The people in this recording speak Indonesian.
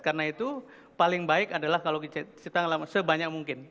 karena itu paling baik adalah kalau kita sebanyak mungkin